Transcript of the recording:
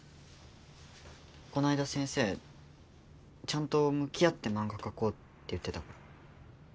この間先生ちゃんと向き合って漫画描こうって言ってた。